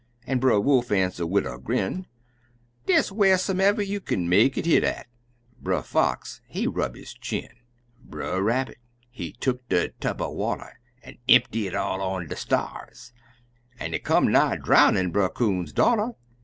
An' Brer Wolf answer, wid a grin, "Des wharsomever you kin make it hit at!" Brer Fox, he rub his chin; Brer Rabbit, he tuck de tub er water, An' empty it all on de sta'rs, An' it come nigh drownin' Brer Coon's daughter.